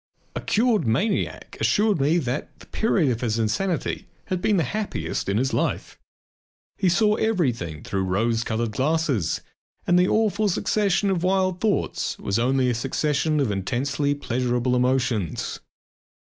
A cured maniac assured me that the period of his insanity had been the happiest in his life. He saw everything through rose coloured glasses and the awful succession of wild thoughts was only a succession of intensely pleasurable emotions.